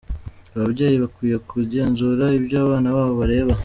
Ababyeyi bakwiye kugenzura ibyo abana babo bareba.